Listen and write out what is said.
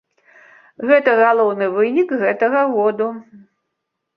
Гэта галоўны вынік гэтага году.